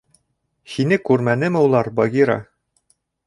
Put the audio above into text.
— Һине күрмәнеме улар, Багира?